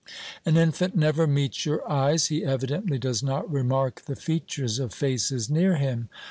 An infant never meets your eyes; he evidently does not remark the features of faces near him.